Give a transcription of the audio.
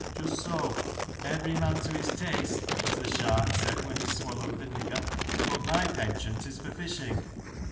Just so, " every man to his taste," as the shark said when he swallowed the nigger, but my penchant is for fishing.